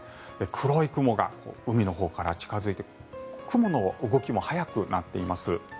黒い雲が海のほうから近付いて雲の動きも速くなっています。